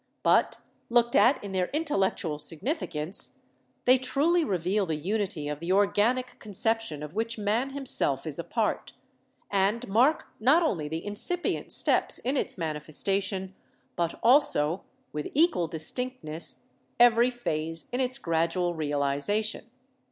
But looked at in their intellectual significance, they truly reveal the unity of the organic con ception of which Man himself is a part, and mark not only the incipient steps in its manifestation, but also, with equal distinctness, every phase in its gradual realization.